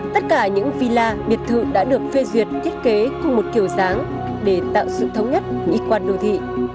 tất cả những villa biệt thự đã được phê duyệt thiết kế cùng một kiểu dáng để tạo sự thống nhất nhị quan đô thị